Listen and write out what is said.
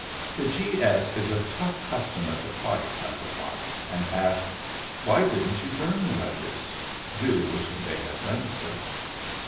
"The G. S. is a tough customer to fight," I remarked, and asked, "Why didn't you burn the letters?" really wishing they had done so.